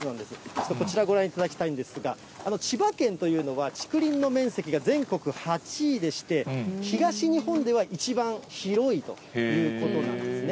ちょっとこちらご覧いただきたいんですが、千葉県というのは、竹林の面積が全国８位でして、東日本では一番広いということなんですね。